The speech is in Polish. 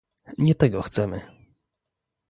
Nie tego chcemy